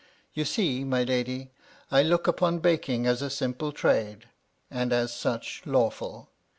You see, my lady, I look upon baking as a simple trade, and as such lawful.